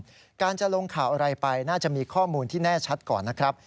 การจะลงข่าวอะไรไปน่าจะมีข้อมูลที่แน่ชัดก่อนนะครับ